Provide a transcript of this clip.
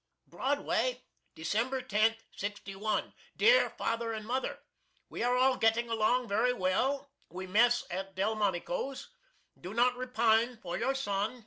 Broadway, Dec. 10, '61. Dear Father and Mother, We are all getting along very well. We mess at Delmonico's. Do not repine for your son.